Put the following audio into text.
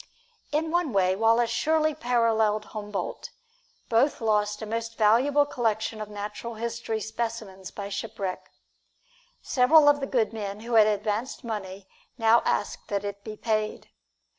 In one way, Wallace surely paralleled Humboldt: both lost a most valuable collection of natural history specimens by shipwreck. Several of the good men who had advanced money now asked that it be paid.